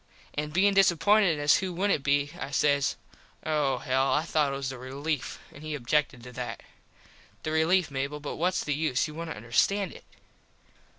An bein disappointed as who wouldnt be I says Oh hell. I thought it was the relief. An he objected to that. The relief, Mable but whats the use you wouldnt understand it.